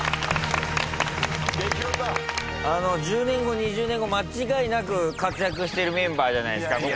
１０年後２０年後間違いなく活躍してるメンバーじゃないですか。